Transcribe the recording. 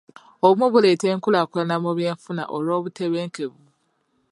Obumu buleeta enkukulaakuna mu byenfuna olw'obutebenkevu.